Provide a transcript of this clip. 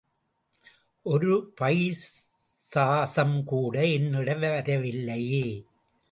ஒரு பைசாசம் கூட என்னிடம் வரவில்லையே.